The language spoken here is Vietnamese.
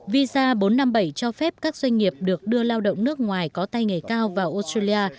visa bốn trăm năm mươi bảy cho phép các doanh nghiệp được đưa lao động nước ngoài có tay nghề cao vào australia